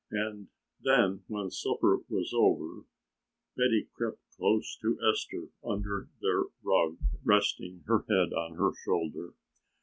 And then when supper was over Betty crept close to Esther under their rug resting her head on her shoulder.